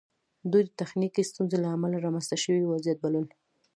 دوی د تخنیکي ستونزو له امله رامنځته شوی وضعیت بلل